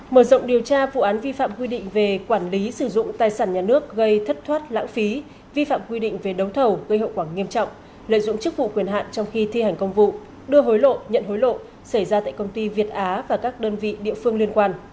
mở rộng điều tra vụ án vi phạm quy định về quản lý sử dụng tài sản nhà nước gây thất thoát lãng phí vi phạm quy định về đấu thầu gây hậu quả nghiêm trọng lợi dụng chức vụ quyền hạn trong khi thi hành công vụ đưa hối lộ nhận hối lộ xảy ra tại công ty việt á và các đơn vị địa phương liên quan